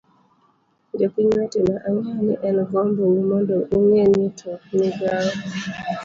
jopiny wetena, ang'eyo ni en gombo u mondo ung'e ni to migawo